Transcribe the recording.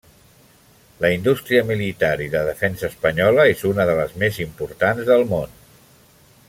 La indústria militar i de defensa espanyola és una de les més importants del món.